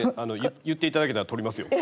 言っていただけたら取りますよ。